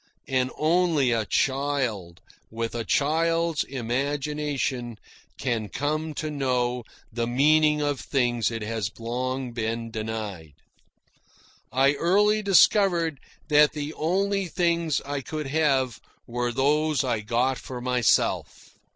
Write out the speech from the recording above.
And only a child, with a child's imagination, can come to know the meaning of things it has been long denied. I early discovered that the only things I could have were those I got for myself.